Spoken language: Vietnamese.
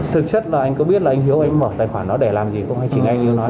thực chất là anh có biết là anh hiếu anh mở tài khoản đó để làm gì không hay trình anh hiếu nói